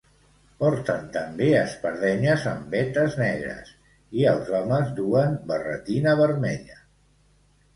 Porten també espardenyes amb vetes negres, i els homes duen barretina vermella.